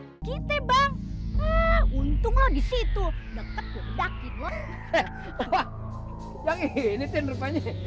hai kita bang untung lo disitu deket deket